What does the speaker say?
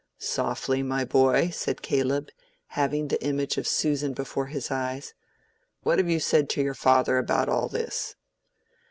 "Softly, my boy," said Caleb, having the image of "Susan" before his eyes. "What have you said to your father about all this?"